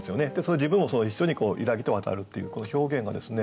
自分も一緒に「ゆらぎと渡る」っていうこの表現がですね